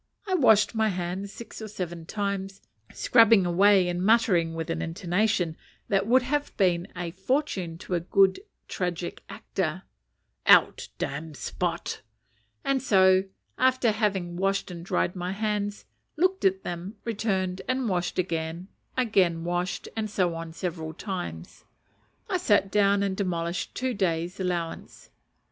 I washed my hands six or seven times, scrubbing away and muttering with an intonation that would have been a fortune to a tragic actor, "Out, damned spot;" and so, after having washed and dried my hands, looked at them, returned, and washed again, again washed, and so on, several times, I sat down and demolished two days' allowance.